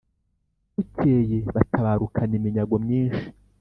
bukeye batabarukana iminyago myinshi.